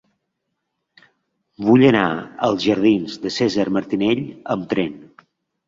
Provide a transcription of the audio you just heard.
Vull anar als jardins de Cèsar Martinell amb tren.